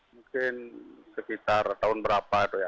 mungkin sekitar tahun berapa itu ya